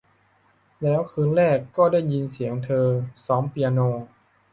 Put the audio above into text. แล้วคืนแรกก็ได้ยินเสียงเธอซ้อมเปียโน